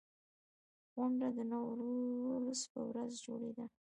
غونډه د نوروز په ورځ جوړېده.